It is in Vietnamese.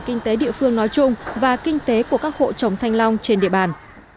kinh tế địa phương nói chung và kinh tế của các hộ chống thanh long trên địa bàn